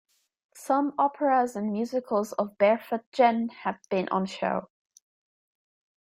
Some operas and musicals of Barefoot Gen have been on show.